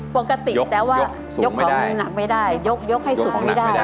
ปกติแต่ว่ายกของหนักไม่ได้ยกให้สุดไม่ได้